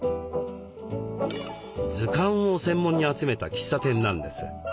図鑑を専門に集めた喫茶店なんです。